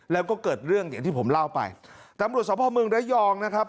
แล้วก็เกิดเรื่องจนที่ผมเล่าไปจำบรวมสวบครองเมืองละยองนะครับ